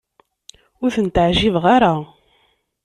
Ur tent-ɛjibeɣ ara.